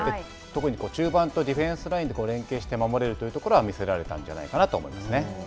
特に中盤とディフェンスラインで連係して守れるというところは、見せられたんじゃないかなと思いますよね。